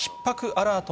アラート